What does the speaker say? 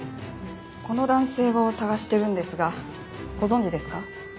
この男性を捜してるんですがご存じですか？